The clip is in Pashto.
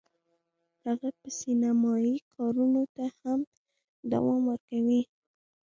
هغه به سینمایي کارونو ته هم دوام ورکوي